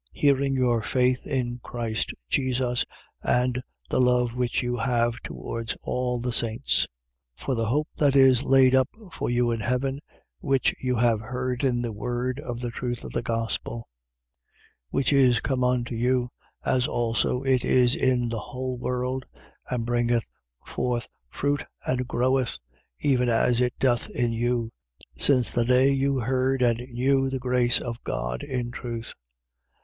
1:4. Hearing your faith in Christ Jesus and the love which you have towards all the saints. 1:5. For the hope that is laid up for you in heaven, which you have heard in the word of the truth of the gospel, 1:6. Which is come unto you, as also it is in the whole world and bringeth forth fruit and groweth, even as it doth in you, since the day you heard and knew the grace of God in truth.